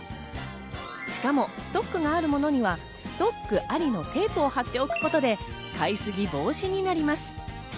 しかもストックがあるものにはストックありのテープを貼っておくことで買い過ぎ防止になります。